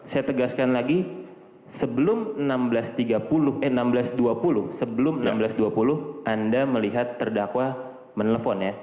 saya tegaskan lagi sebelum seribu enam ratus tiga puluh eh seribu enam ratus dua puluh sebelum seribu enam ratus dua puluh anda melihat terdakwa menelpon ya